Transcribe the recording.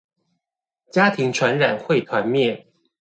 家庭傳染會團滅